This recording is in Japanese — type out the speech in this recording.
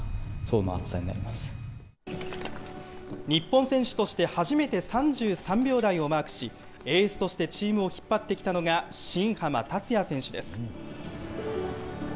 日本選手として初めて、３３秒台をマークし、エースとしてチームを引っ張ってきたのが、新濱立也選手です。